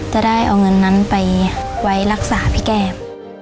จะได้เอาเงินนั้นไปไว้รักษาพี่แก้ม